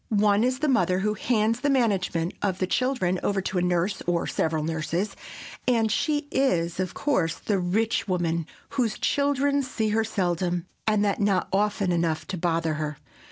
One is the mother who hands the management of the children over to a nurse or several nurses, and she is, of course, the rich woman whose children see her seldom, and that not often enough to bother her.